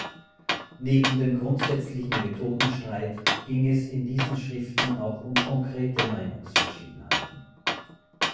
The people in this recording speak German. Neben dem grundsätzlichen Methodenstreit ging es in diesen Schriften auch um konkrete Meinungsverschiedenheiten.